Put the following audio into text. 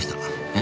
え？